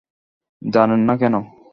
জানেন না কেন?